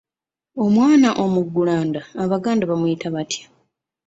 Omwana omuggulanda, Abaganda bamuyita batya?